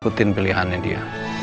ikutin pilihannya dia